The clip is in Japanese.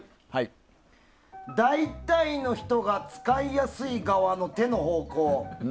大体の人が使いやすい側の手の方向。